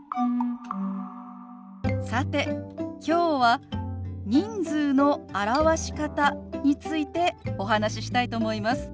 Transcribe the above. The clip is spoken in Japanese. さてきょうは人数の表し方についてお話ししたいと思います。